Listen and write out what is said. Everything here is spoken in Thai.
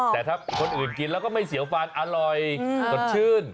แต่ถ้าคนอื่นกินแล้วก็ไม่เสียวฟันอร่อยสดชื่น